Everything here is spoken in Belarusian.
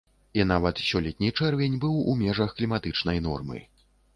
І нават сёлетні чэрвень быў у межах кліматычнай нормы.